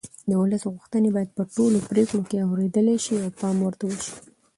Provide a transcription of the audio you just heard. د ولس غوښتنې باید په ټولو پرېکړو کې اورېدل شي او پام ورته وشي